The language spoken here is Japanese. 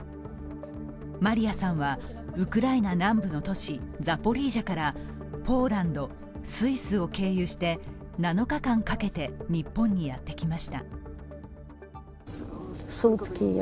マリアさんはウクライナ南部の都市ザポリージャからポーランド、スイスを経由して７日間かけて日本にやってきました